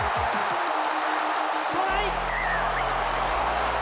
トライ！